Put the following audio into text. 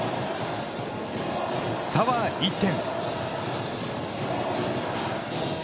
差は１点。